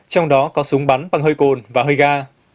trong đó có súng bắn bằng hơi cồn và hơi ga